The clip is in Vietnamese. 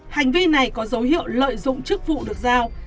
hành vi này có dấu hiệu lợi dụng chức vụ được giao